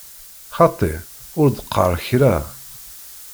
Xaṭi, ur d-qqar kra!